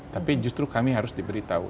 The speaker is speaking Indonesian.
tapi justru kami harus diberitahu